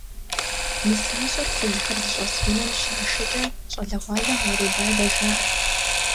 Нысащӏэр фызхэр зыщӏэс унэм щашэкӏэ, щӏалэгъуалэм уэредадэ жаӏэрт.